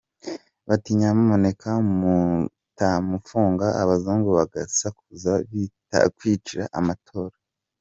Bati ‘Nyamuneka’ mutamufunga abazungu bagasakuza bikatwicira amatora.